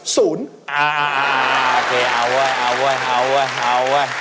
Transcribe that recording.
ศูนย์อ่าโอเคเอาเว้ยเอาเว้ยเอาเว้ยเอาเว้ย